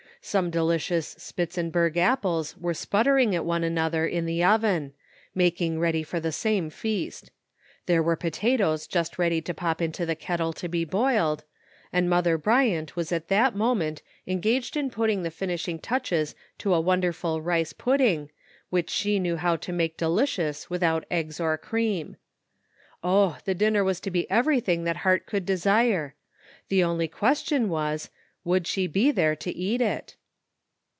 Some delicious Spitzenberg apples were sputtering at one another in the oven, making ready for the same feast ; there were potatoes just ready to pop into the kettle to be boiled, and Mother Bryant was at that moment engaged in putting the finishing touches to a wonderful rice pudding which she knew how to make delicious, without eggs or cream. Oh ! the dinner was to be everything that heart could THE XJNEXPECTED HAPPENS. 181 desire; the only question was, would she be there to eat it?